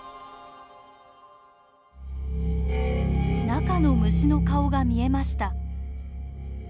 中の虫の顔が見えました。